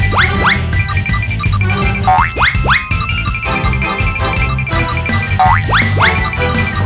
depan depan udah ada